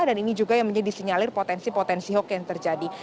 dan ini juga yang menjadi sinyalir potensi potensi hoax yang terjadi